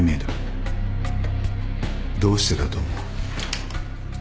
どうしてだと思う？